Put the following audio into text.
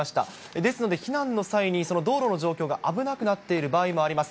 ですので、避難の際に道路の状況が危なくなっている場合もあります。